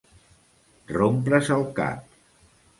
Rompre's el cap.